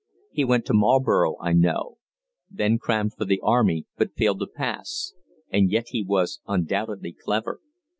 He went to Marlborough, I know; then crammed for the army, but failed to pass; and yet he was undoubtedly clever.